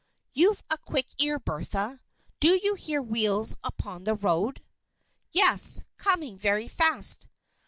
You've a quick ear, Bertha. Do you hear wheels upon the road?" "Yes coming very fast."